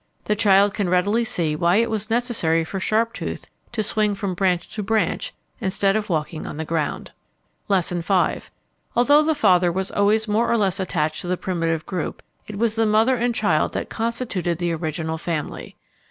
The child can readily see why it was necessary for Sharptooth to swing from branch to branch instead of walking on the ground. Lesson V. Although the father was always more or less attached to the primitive group, it was the mother and child that constituted the original family.